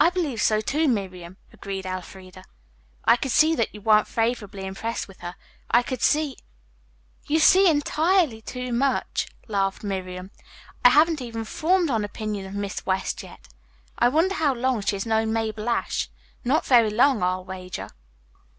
"I believe so, too, Miriam," agreed Elfreda. "I could see that you weren't favorably impressed with her. I could see " "You see entirely too much," laughed Miriam. "I haven't even formed an opinion of Miss West yet. I wonder how long she has known Mabel Ashe? Not very long, I'll wager."